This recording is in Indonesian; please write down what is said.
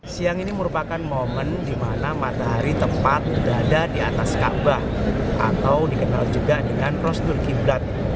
siang ini merupakan momen di mana matahari tepat berada di atas kaabah atau dikenal juga dengan prosedur qiblat